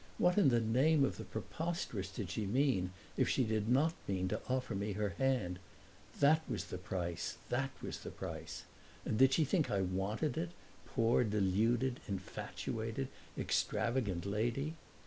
What in the name of the preposterous did she mean if she did not mean to offer me her hand? That was the price that was the price! And did she think I wanted it, poor deluded, infatuated, extravagant lady?